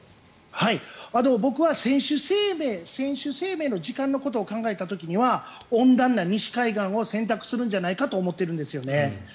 僕は選手生命の時間のことを考えた時には温暖な西海岸を選択するんじゃないかと思ってるんです。